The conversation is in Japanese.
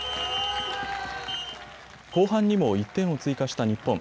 後半にも１点を追加した日本。